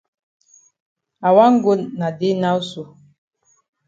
I wan go na dey now so.